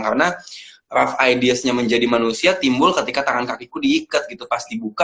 karena rough ideasnya menjadi manusia timbul ketika tangan kakiku diikat gitu pas dibuka